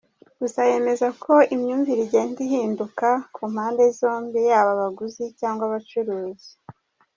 Gusa, yemeza ko imyumvire igenda yiyongera ku pande zombi yaba abaguzi cyangwa abacuruzi.